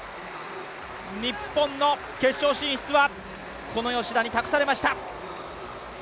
日本の決勝進出はこの吉田に託されました。